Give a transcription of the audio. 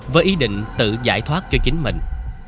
với ý định tự giải thoát cho chính mình